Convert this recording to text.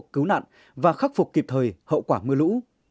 cứu nạn và khắc phục kịp thời hậu quả mưa lũ